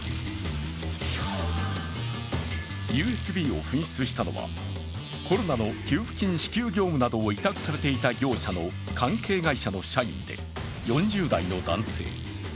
ＵＳＢを紛失したのはコロナの給付金支給業務などを委託されていた業者の関係会社の社員で４０代の男性。